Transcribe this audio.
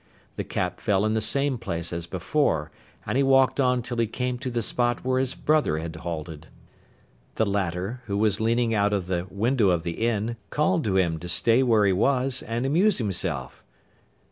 The cap fell in the same place as before, and he walked on till he came to the spot where his brother had halted. The latter, who was leaning out of the window of the inn, called to him to stay where he was and amuse himself.